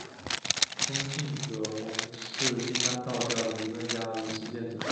东晋葛洪是金丹道教的理论家与实践者。